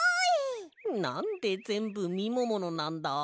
なんでぜんぶみもものなんだ？